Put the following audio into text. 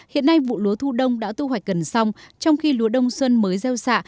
hiện nay vụ lúa thu đông đã tu hoạch gần xong trong khi lúa đông xuân mới gieo xạ